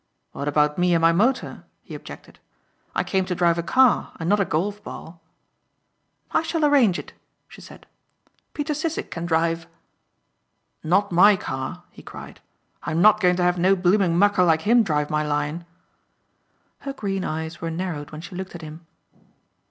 "What about me and my motor?" he objected, "I came to drive a car and not a golf ball." "I shall arrange it," she said, "Peter Sissek can drive." "Not my car," he cried, "I'm not going to have no blooming mucker like him drive my Lion." Her green eyes were narrowed when she looked at him.